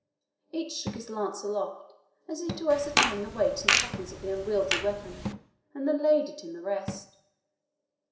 Each shook his lance aloft, as if to ascertain the weight and toughness of the unwieldy weapon, and then laid it in the rest.